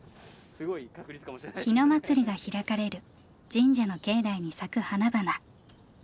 日野祭が開かれる神社の境内に咲く花々。